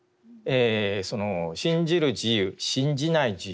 その信じる自由信じない自由。